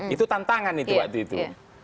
itu tantangan itu waktu itu